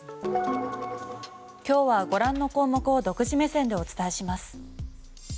今日はご覧の項目を独自目線でお伝えします。